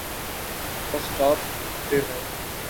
بس سٹاپ پہ ہوں۔